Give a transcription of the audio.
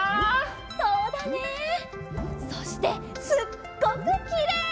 そしてすっごくきれい！